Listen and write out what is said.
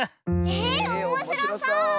えおもしろそう！